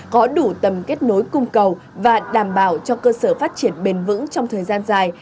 có đủ tầm kết nối cung cầu và đảm bảo cho cơ sở phát triển bền vững trong thời gian dài